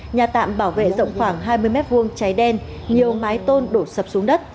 nhà tạm bảo vệ rộng khoảng hai mươi mét vuông cháy đen nhiều mái tôn đổ sập xuống đất